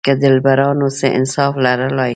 که دلبرانو څه انصاف لرلای.